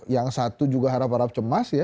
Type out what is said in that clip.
yang satu juga harap harap cemas ya